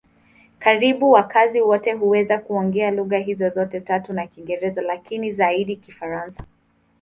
Karibu wakazi wote huweza kuongea lugha hizo zote tatu na Kiingereza, lakini zaidi Kifaransa.